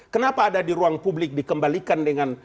kenapa ada di ruang publik dikembalikan dengan